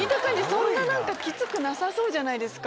そんなきつくなさそうじゃないですか。